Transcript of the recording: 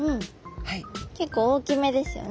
結構大きめですよね。